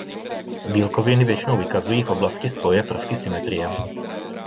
Bílkoviny většinou vykazují v oblasti spoje prvky symetrie.